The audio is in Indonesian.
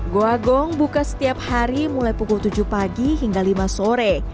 goa gong buka setiap hari mulai pukul tujuh pagi hingga lima sore